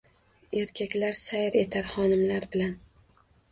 Erkaklar sayr etar xonimlar bilan